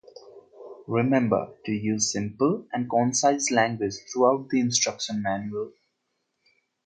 Remember to use simple and concise language throughout the instruction manual.